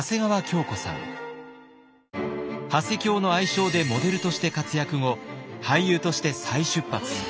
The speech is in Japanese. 「ハセキョー」の愛称でモデルとして活躍後俳優として再出発。